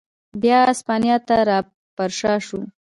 بیا اسپانیا ته را پرشا شو.